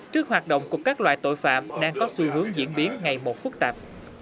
trước hoạt động của các loại tội phạm đang có xu hướng diễn biến ngày một phức tạp